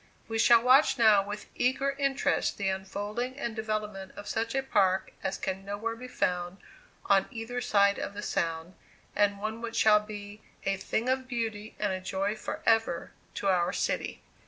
We shall watch now with eager interest the unfolding and development of such a park as can nowhere be found on either side of the Sound, and one which shall be "a thing of beauty and a joy forever" to our city.